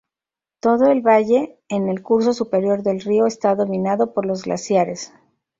Todo el valle, en el curso superior del río, está dominado por los glaciares.